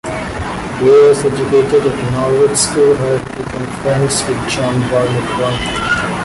He was educated at Norwich School where he became friends with John Berney Crome.